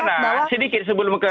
ripan lah sedikit sebelum ke mas boyani